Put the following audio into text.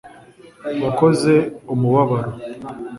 Wakoze umubabaro